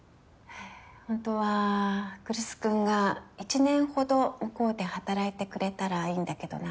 ほんとは来栖君が１年ほど向こうで働いてくれたらいいんだけどな。